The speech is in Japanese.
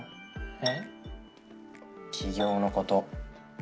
え？